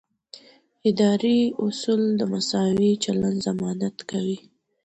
اداري اصول د مساوي چلند ضمانت کوي.